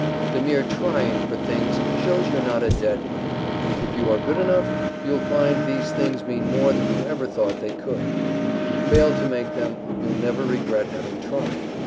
The mere trying for things shows you're not a dead one. If you are good enough, you'll find these things mean more than you ever had thought they could; if you fail to make them, you'll never regret having tried.